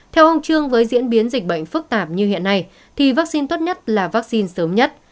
theo ông trương với diễn biến dịch bệnh phức tạp như hiện nay thì vaccine tốt nhất là vaccine sớm nhất